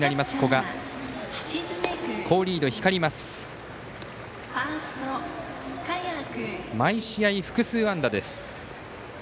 賀谷、毎試合複数安打です。